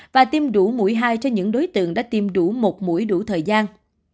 và tiêm đủ mũi hai cho những đối tượng đã tiêm đủ một mũi đủ thời gian